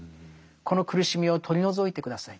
この苦しみを取り除いて下さい。